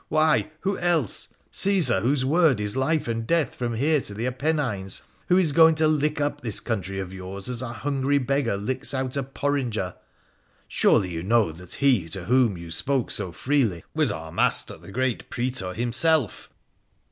Why, who else ? Cassar, whose word is life and death from here to the Apennines, who is going to lick up this country of yours as a hungry beggar licks out a porringer. Surely you knew that he to whom you spoke so freely was our master the great Praator himself